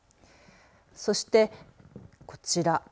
そして、こちら。